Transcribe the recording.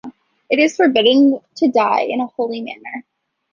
It is forbidden to die in a holy manner.